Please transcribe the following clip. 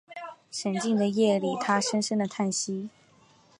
沈静的夜里他深深的叹息